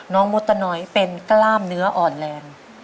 น้องมธนอยด์เป็นกล้ามเนื้ออ่อนแรง